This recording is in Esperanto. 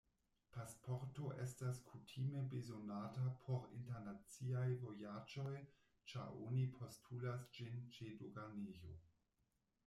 Pasporto estas kutime bezonata por internaciaj vojaĝoj, ĉar oni postulas ĝin ĉe doganejo.